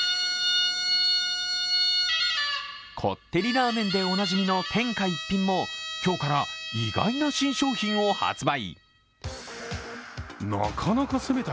こってりラーメンでおなじみの天下一品も今日から意外な新商品を発売。